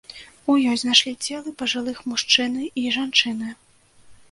У ёй знайшлі целы пажылых мужчыны і жанчыны.